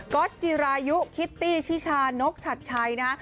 ก็จิรายุคิตตี้ชิชานกชัดชัยนะฮะ